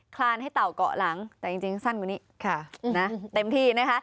คลานให้เต่าเกาะหลังแต่จริงสั้นกว่านี้ค่ะนะเต็มที่นะคะ